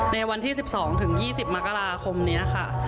ในวันที่๑๒๒๐มกราคมนี้ค่ะ